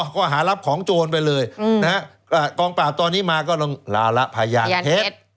ก็หารับของโจรไปเลยกองปราบตอนนี้มาก็ลาละพยานเท็จ